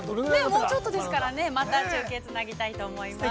◆もうちょっとですから、また中継をつなぎたいと思います。